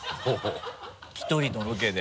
１人のロケで。